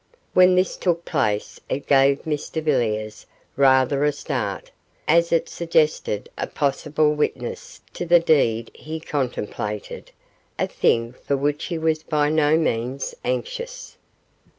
When this took place it gave Mr Villiers rather a start, as it suggested a possible witness to the deed he contemplated, a thing for which he was by no means anxious.